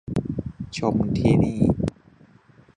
ชมที่นี่